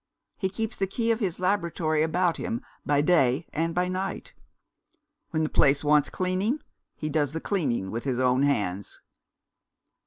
He keeps the key of his laboratory about him by day and by night. When the place wants cleaning, he does the cleaning with his own hands."